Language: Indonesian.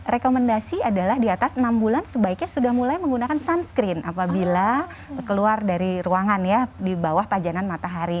rekomendasi adalah di atas enam bulan sebaiknya sudah mulai menggunakan sunscreen apabila keluar dari ruangan ya di bawah pajanan matahari